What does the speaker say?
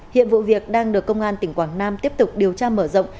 hiện vụ việc đang được công an tỉnh quảng nam tiếp tục điều tra mở rộng